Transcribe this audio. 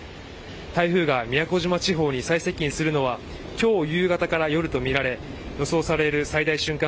台風が宮古島地方に最接近するのは今日夕方から夜とみられ予想される最大瞬間